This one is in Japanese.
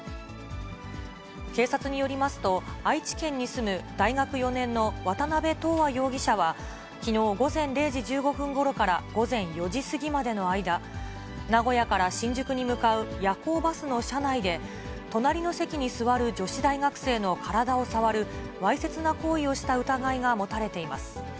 警察によりますと、愛知県に住む大学４年の渡辺斗亜容疑者は、きのう午前０時１５分ごろから午前４時過ぎまでの間、名古屋から新宿に向かう夜行バスの車内で、隣の席に座る女子大学生の体を触るわいせつな行為をした疑いが持たれています。